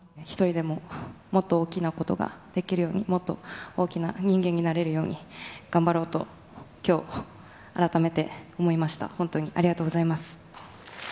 一人でももっと大きなことができるように、もっと大きな人間になれるように頑張ろうと、きょう、改めて思いました。